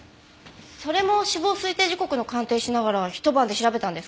それも死亡推定時刻の鑑定しながら一晩で調べたんですか？